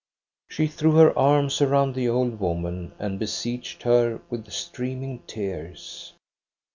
" She threw her arms around the old woman and beseeched her with streaming tears.